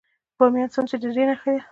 د بامیان سمڅې د دې نښه ده